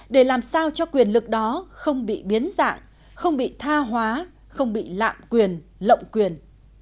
để làm sao cho quyền lực đó không bị biến dạng không bị tha hóa không bị lạm quyền lộng quyền